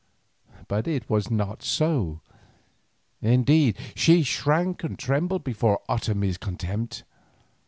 But it was not so. Indeed, she shrank and trembled before Otomie's contempt.